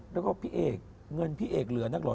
แล้วก็พี่เอกเงินพี่เอกเหลือนักเหรอ